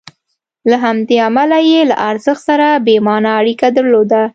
له همدې امله یې له ارزښت سره بې معنا اړیکه درلوده.